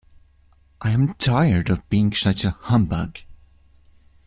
I am tired of being such a humbug.